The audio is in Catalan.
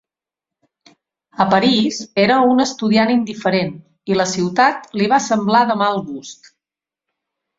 A París, era un estudiant indiferent i la ciutat li va semblar de mal gust.